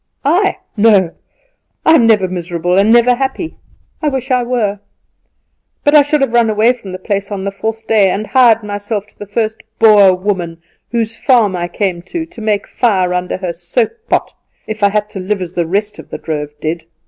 "I? no. I am never miserable and never happy. I wish I were. But I should have run away from the place on the fourth day, and hired myself to the first Boer woman whose farm I came to, to make fire under her soap pot, if I had to live as the rest of the drove did.